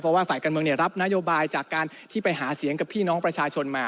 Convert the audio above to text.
เพราะว่าฝ่ายการเมืองรับนโยบายจากการที่ไปหาเสียงกับพี่น้องประชาชนมา